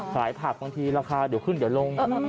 ขายผักบางทีราคาเดี๋ยวขึ้นเดี๋ยวลง